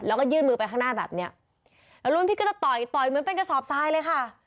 แล้วก็ยื่นมือไปข้างหน้าแบบเนี้ยแล้วรุ่นพี่ก็จะต่อยต่อยเหมือนเป็นกระสอบทรายเลยค่ะ